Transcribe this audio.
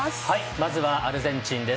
まずはアルゼンチンです。